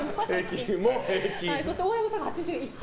そして大山さんが８１点。